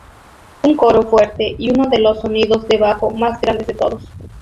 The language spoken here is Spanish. Un coro fuerte y uno de los sonidos debajo más grandes de todos.